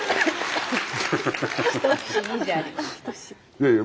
いやいや。